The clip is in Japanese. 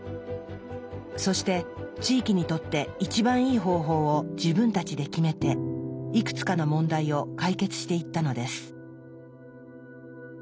そして地域にとって一番いい方法を自分たちで決めていくつかの問題を解決していったのです。